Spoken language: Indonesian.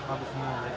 abis semua ya